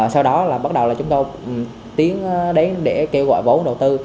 sau đó là bắt đầu là chúng tôi tiến đến để kêu gọi vốn đầu tư